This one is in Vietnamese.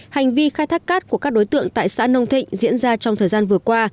hành vi khai thác cát của các đối tượng tại xã nông thịnh diễn ra trong thời gian vừa qua